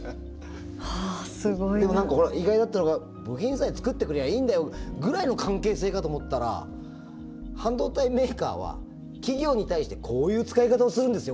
でも何かほら意外だったのが部品さえつくってくれりゃあいいんだよぐらいの関係性かと思ったら半導体メーカーは企業に対してこういう使い方をするんですよ